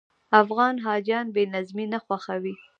افغان حاجیان بې نظمي نه خوښوي.